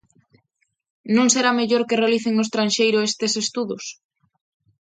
Non será mellor que realicen no estranxeiro estes estudos?